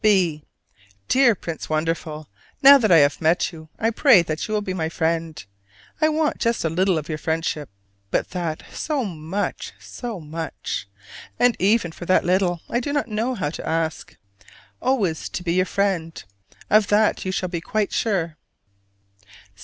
] B. Dear Prince Wonderful: Now that I have met you I pray that you will be my friend. I want just a little of your friendship, but that, so much, so much! And even for that little I do not know how to ask. Always to be your friend: of that you shall be quite sure.